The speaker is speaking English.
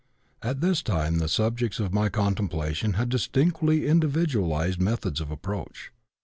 At this time the subjects of my contemplation had distinctly individualized methods of approach.